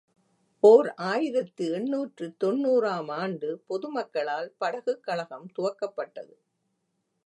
ஓர் ஆயிரத்து எண்ணூற்று தொன்னூறு ஆம் ஆண்டு பொதுமக்களால் படகுக் கழகம் துவக்கப்பட்டது.